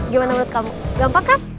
gimana menurut kamu gampang kah